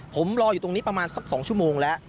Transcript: ผมรออยู่ตรงนี้ประมาณสัก๒ชั่วโมงแล้ว